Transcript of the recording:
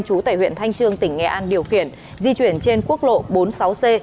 chú tại huyện thanh trương tỉnh nghệ an điều khiển di chuyển trên quốc lộ bốn mươi sáu c